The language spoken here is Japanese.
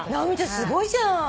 すごいじゃん。